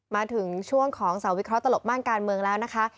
มาถึงช่วงของสาวิเคราะหลบม่านการเมืองแล้วนะคะ